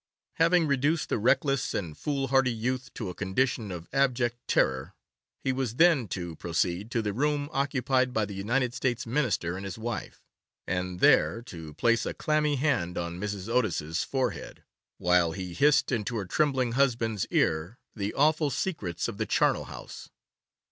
Having reduced the reckless and foolhardy youth to a condition of abject terror, he was then to proceed to the room occupied by the United States Minister and his wife, and there to place a clammy hand on Mrs. Otis's forehead, while he hissed into her trembling husband's ear the awful secrets of the charnel house.